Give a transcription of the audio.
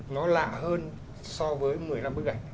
nó lạ hơn so với một mươi năm bức ảnh